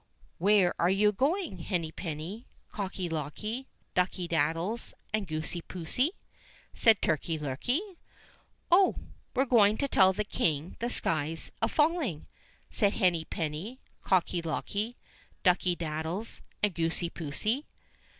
*' Where are you going, Henny penny, Cocky locky, Ducky daddies, and Goosey poosey?" says Turkey lurkey. "Oh! we're going to tell the King the sky's a falling," said Henny penny, Cocky locky, Ducky daddies, and Goosey poosey.